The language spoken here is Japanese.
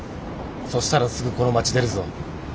そしたらすぐこの街出るぞ。